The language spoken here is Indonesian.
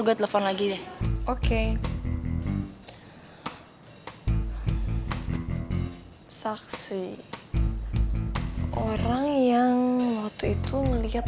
mas tolong jangan ditutup